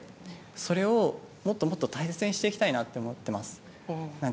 それを、もっともっと大切にしていきたいなと思っています。